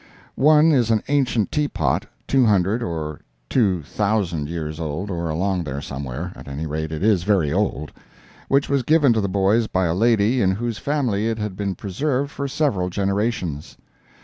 One is an ancient tea pot, two hundred, or two thousand years old, or along there, somewhere—at any rate, it is very old—which was given to the boys by a lady in whose family it had been preserved for several generations.